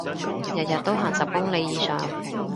日日都行十公里以上